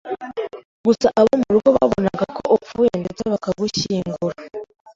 gusa abo mu rugo babonaga ko upfuye ndetse bakagushyingura